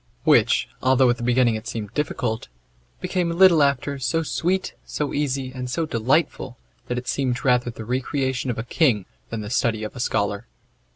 Which, although at the beginning it seemed difficult, became a little after so sweet, so easy, and so delightful, that it seemed rather the recreation of a king than the study of a scholar.